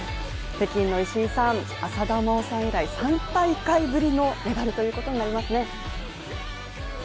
北京の石井さん、浅田真央さん以来、３大会ぶりのメダルということになりますね。